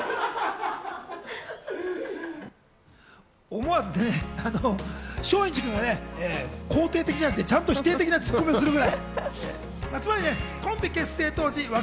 思わず松陰寺君が肯定的じゃなく、ちゃんと否定的なツッコミをするくらい。